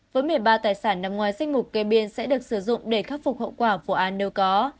với một mươi ba tài sản nằm ngoài danh mục kê biên sẽ được sử dụng để khắc phục hậu quả vụ án nếu có